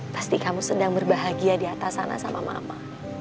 pasti kamu sedang berbahagia di atas sana sama mama